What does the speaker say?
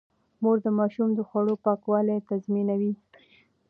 مور د ماشوم د خوړو پاکوالی تضمينوي.